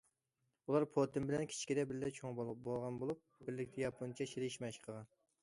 ئۇلار پۇتىن بىلەن كىچىكىدە بىللە چوڭ بولغان بولۇپ، بىرلىكتە ياپونچە چېلىشىش مەشىق قىلغان.